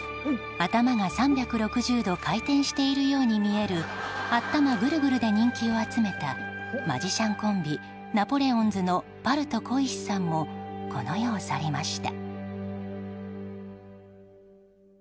頭が３６０度回転しているように見えるあったまぐるぐるで人気を集めたマジシャンコンビナポレオンズのパルト小石さんもこの世を去りました。